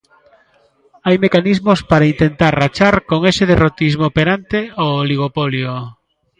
Hai mecanismos para intentar rachar con ese derrotismo perante o oligopolio.